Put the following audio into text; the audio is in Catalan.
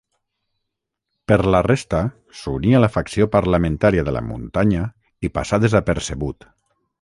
Per la resta, s'uní a la facció parlamentària de la Muntanya i passà desapercebut.